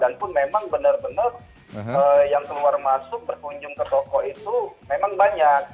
dan pun memang bener bener yang keluar masuk berkunjung ke toko itu memang banyak